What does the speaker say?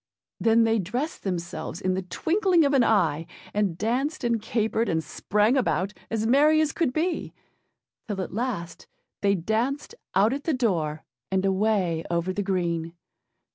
Then they dressed themselves in the twinkling of an eye, and danced and capered and sprang about, as merry as could be; till at last they danced out at the door, and away over the green.